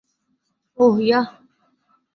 ওহ, yeah!